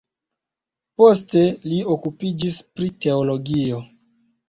Poste li okupiĝis pri teologio.